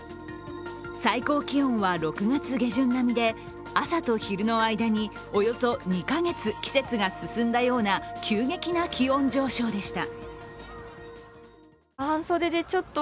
最高気温は６月下旬並みで、朝と昼の間におよそ２か月、季節が進んだような急激な気温上昇でした。